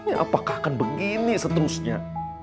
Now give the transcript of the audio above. apakah akan begini seterusnya